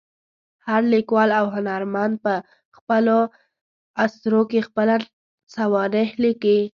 هر لیکوال او هنرمند په خپلو اثرو کې خپله سوانح لیکي.